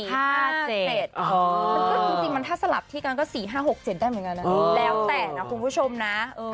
มันก็จริงมันถ้าสลับที่กันก็๔๕๖๗ได้เหมือนกันนะแล้วแต่นะคุณผู้ชมนะ